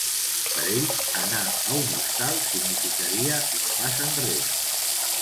Per ells, anar a un hostal significaria ‘un pas enrere’.